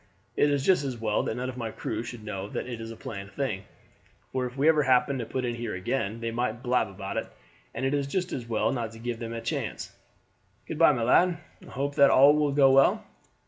It is just as well that none of my crew should know that it is a planned thing, for if we ever happened to put in here again they might blab about it, and it is just as well not to give them the chance. Good by, my lad; I hope that all will go well.